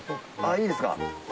いいですか？